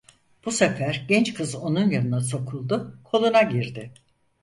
Bu sefer genç kız onun yanına sokuldu, koluna girdi: